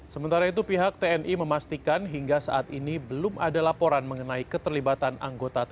sementara itu pihak tni memastikan hingga saat ini belum ada laporan mengenai keterlibatan anggota tni